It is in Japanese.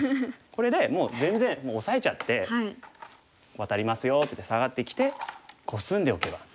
これでもう全然オサえちゃってワタりますよって言ってサガってきてコスんでおけば。